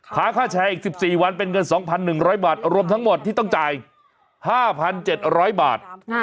ค่าแชร์อีก๑๔วันเป็นเงิน๒๑๐๐บาทรวมทั้งหมดที่ต้องจ่าย๕๗๐๐บาท